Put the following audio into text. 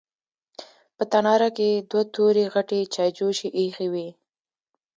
په تناره کې دوه تورې غټې چايجوشې ايښې وې.